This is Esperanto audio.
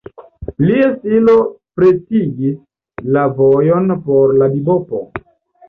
Lia stilo pretigis la vojon por la bibopo.